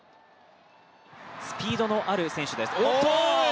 スピードのある選手です。